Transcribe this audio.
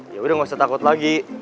ya udah gak usah takut lagi